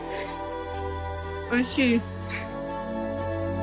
おいしい！